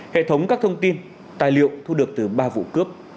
hệ thống các thông tin tài liệu thu được từ ba vụ cướp